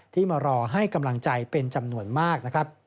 ที่มารอให้กำลังใจเป็นจำนวนมากนะครับ